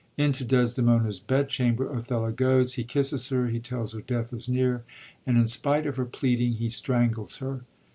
Into Desdemona's bed chamber Othello goes; he kisses her; he tells her death is near, and, in spite of her pleading, he strangles her.